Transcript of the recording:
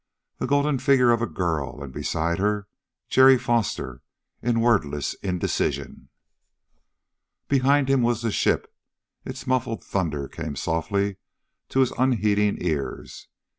The golden figure of a girl, and beside her, Jerry Foster, in wordless indecision. Behind him was the ship. Its muffled thunder came softly to his unheeding ears.